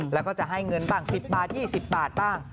แล้วก็จะให้เงินบ้าง๑๐บาท๒๐บาทบ้าง